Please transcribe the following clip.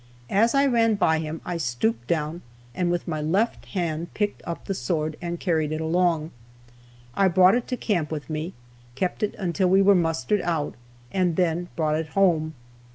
As I ran by him I stooped down and with my left hand picked up the sword, and carried it along. I brought it to camp with me, kept it until we were mustered out, and then brought it home.